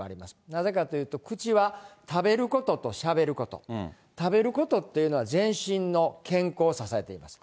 なぜかというと、口は食べることとしゃべること、食べることっていうのは、全身の健康を支えています。